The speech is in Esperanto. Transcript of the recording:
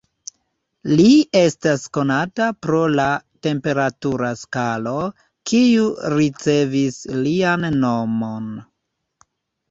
Li estas konata pro la temperatura skalo, kiu ricevis lian nomon.